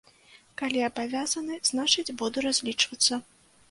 Калі абавязаны, значыць, буду разлічвацца.